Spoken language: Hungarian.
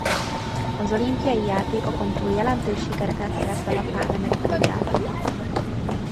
Az Olimpiai játékokon túl jelentős sikereket ért el a Pan Amerikai Játékokon.